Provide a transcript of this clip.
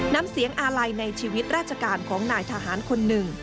น้ำเสียงอาลัยในชีวิตราชการของนายทหารคนหนึ่ง